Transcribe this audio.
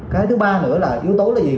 cái thứ ba nữa là yếu tố là gì